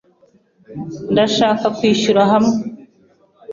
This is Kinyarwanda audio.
Ndashaka kwishyura hamwe